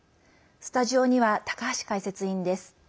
スタジオには高橋解説委員です。